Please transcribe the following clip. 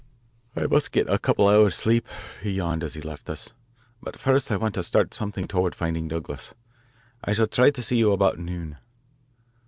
"I must get a couple of hours' sleep," he yawned as he left us," but first I want to start something toward finding Douglas. I shall try to see you about noon."